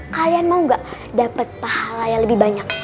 kalian mau gak dapat pahala yang lebih banyak